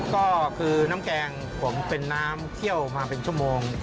ก็คือน้ำแกงผมเป็นน้ำเคี่ยวมาเป็นชั่วโมง